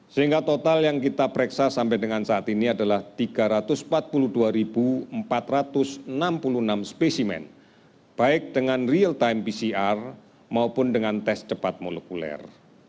sehingga total yang kita pereksa sampai dengan saat ini adalah tiga ratus empat puluh dua empat ratus enam puluh enam spesimen baik dengan real time pcr maupun dengan tes cepat molekuler